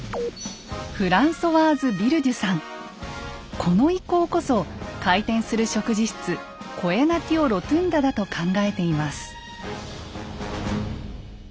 この遺構こそ回転する食事室「コエナティオ・ロトゥンダ」だと考えています。